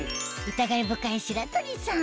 疑い深い白鳥さん